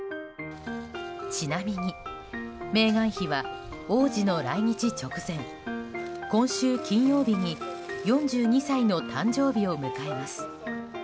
ちなみにメーガン妃は王子の来日直前今週金曜日に４２歳の誕生日を迎えます。